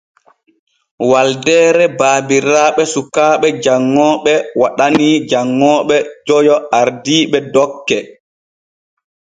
Waldeere baabiraaɓe sukaaɓe janŋooɓe waɗanii janŋooɓe joyo ardiiɓe dokke.